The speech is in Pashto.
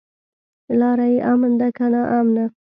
لاره يې امن ده که ناامنه؟